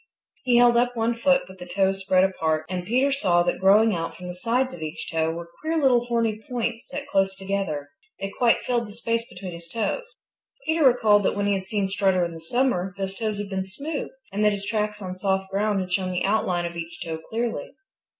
He held up one foot with the toes spread apart and Peter saw that growing out from the sides of each toe were queer little horny points set close together. They quite filled the space between his toes. Peter recalled that when he had seen Strutter in the summer those toes had been smooth and that his tracks on soft ground had shown the outline of each toe clearly.